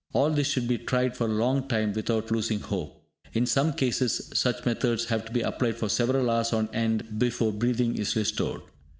All this should be tried for a long time without losing hope. In some cases, such methods have to be applied for several hours on end before breathing is restored.